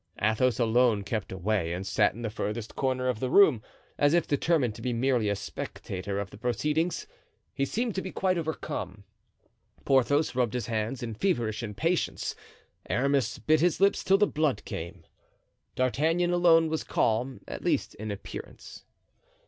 Athos alone kept away and sat in the furthest corner of the room, as if determined to be merely a spectator of the proceedings. He seemed to be quite overcome. Porthos rubbed his hands in feverish impatience. Aramis bit his lips till the blood came. D'Artagnan alone was calm, at least in appearance.